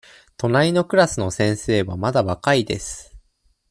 隣のクラスの先生はまだ若いです。